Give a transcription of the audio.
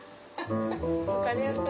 分かりやすい。